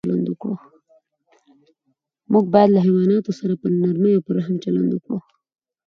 موږ باید له حیواناتو سره په نرمۍ او رحم چلند وکړو.